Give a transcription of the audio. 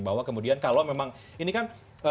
bahwa kemudian kalau memang ini kan